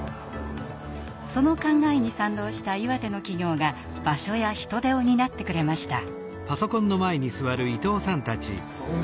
その考えに賛同した岩手の企業が場所や人手を担ってくれました。